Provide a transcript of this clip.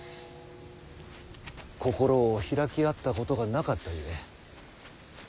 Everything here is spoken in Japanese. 心を開き合ったことがなかったゆえ。